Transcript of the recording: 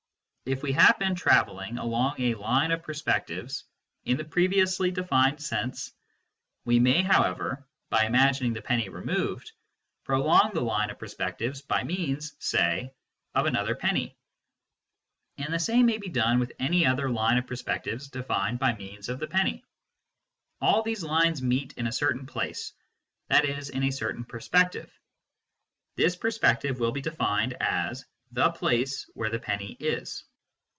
If we have been travelling along a line of perspectives in the previously defined sense, we may, however, by imagining the penny removed, prolong the line of perspectives by means, say, of another penny ; and the same may be done with any other line of perspectives defined by means of the penny. All these lines meet in a certain place, that is, in a certain perspective. This perspective will be defined as " the place where the penny is."